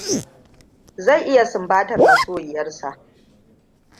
Zai iya sumbantar masoyiyar sa.